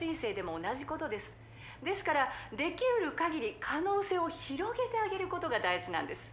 「ですからできうる限り可能性を広げてあげる事が大事なんです」